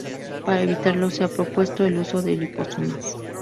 Para evitarlo se ha propuesto el uso de liposomas.